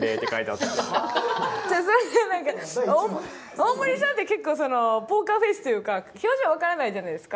大森さんって結構ポーカーフェースというか表情分からないじゃないですか。